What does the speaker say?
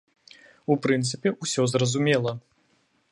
У прынцыпе, усё зразумела.